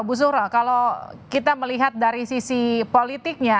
bu zura kalau kita melihat dari sisi politiknya